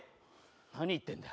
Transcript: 何言ってんだよ。